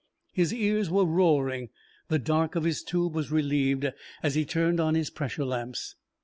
His ears were roaring. The dark of his tube was relieved as he turned on his pressure lamps.